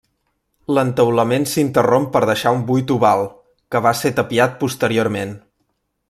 L'entaulament s'interromp per deixar un buit oval, que va ser tapiat posteriorment.